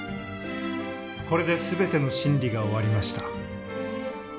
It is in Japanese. これで全ての審理が終わりました。